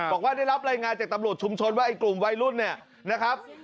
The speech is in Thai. บอกว่าได้รับรายงานจากตำรวจชุมชนว่าไอ้กลุ่มวัยรุ่นเนี่ยนะครับ